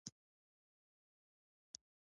د انګلیسي ژبې کورسونه عاید لري؟